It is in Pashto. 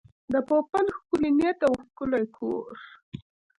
د پوپل ښکلی نیت او ښکلی کور.